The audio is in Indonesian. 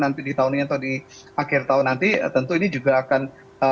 nanti di tahun ini atau di akhir tahun nanti tentu ini juga akan